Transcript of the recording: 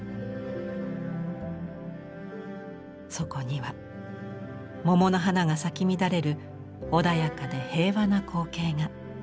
そこには桃の花が咲き乱れる穏やかで平和な光景が。